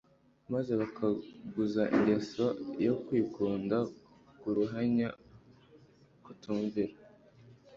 Maze bagakuza ingeso yo kwikunda kuruhanya kutumvira